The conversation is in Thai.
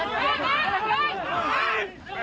เฮ้ย